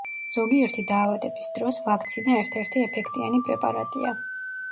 ზოგიერთი დაავადების დროს ვაქცინა ერთ-ერთი ეფექტიანი პრეპარატია.